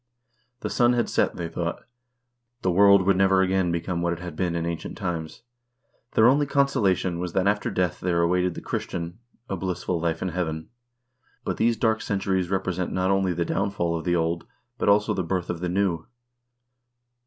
The sun had set, they thought ; the world would never again become what it had been in ancient times ; their only consolation was that after death there awaited the Christian a blissful life in heaven. But these dark centuries represent not only the downfall of the old, but also the birth of the new.